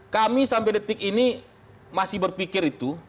kami sampai detik ini masih berpikir itu